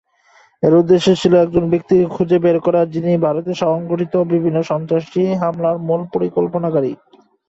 এর উদ্দেশ্য ছিল একজন ব্যক্তিকে খুঁজে বের করা, যিনি ভারতে সংঘটিত বিভিন্ন সন্ত্রাসী হামলার মূল পরিকল্পনাকারী।